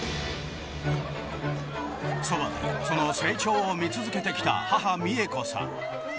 側で、その成長を見続けてきた母、三恵子さん。